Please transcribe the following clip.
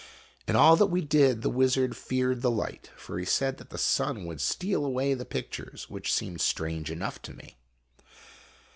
In all that we did the wizard feared the light. For he said that the sun would steal away the pictures which seemed strange enough to me.